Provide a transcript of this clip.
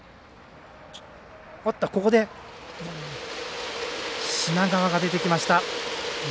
ここで品川が出てきました。